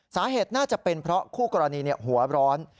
สาเหตุน่าจะเป็นเพราะคู่กรณีหัวร้อน